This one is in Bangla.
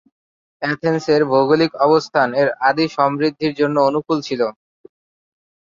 অ্যাথেন্সের ভৌগোলিক অবস্থান এর আদি সমৃদ্ধির জন্য অনুকূল ছিল।